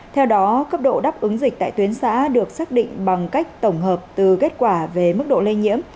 theo đó cấp độ đáp ứng dịch tại tuyến xã được xác định bằng cách tổng hợp từ kết quả về mức độ lây nhiễm